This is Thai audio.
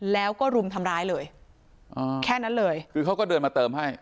แล้วก็รุมทำร้ายเลยอ่าแค่นั้นเลยคือเขาก็เดินมาเติมให้